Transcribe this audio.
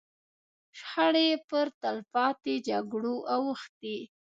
شخړې پر تلپاتو جګړو اوښتې.